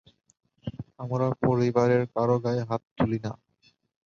আমরা পরিবারের কারো গায়ে হাত তুলি না।